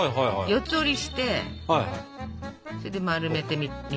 四つ折りにしてそれで丸めてみるわけですよ。